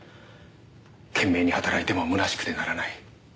懸命に働いても空しくてならない。